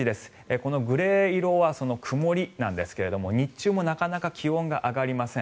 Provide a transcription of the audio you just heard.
このグレー色は曇りなんですが日中もなかなか気温が上がりません。